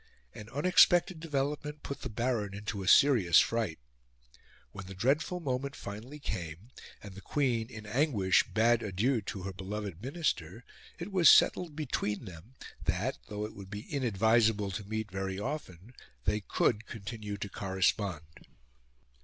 An unexpected development put the Baron into a serious fright. When the dreadful moment finally came, and the Queen, in anguish, bade adieu to her beloved Minister, it was settled between them that, though it would be inadvisable to meet very often, they could continue to correspond.